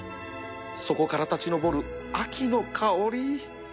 そこから立ち上る秋の香り